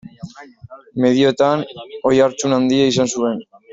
Medioetan oihartzun handia izan zuen.